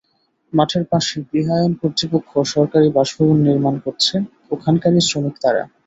মাঠের পাশেই গৃহায়ণ কর্তৃপক্ষ সরকারি বাসভবন নির্মাণ করছে, ওখানকারই শ্রমিক তাঁরা।